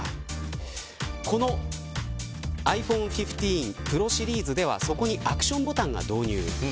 このｉＰｈｏｎｅ１５Ｐｒｏシリーズではそこにアクションボタンが導入。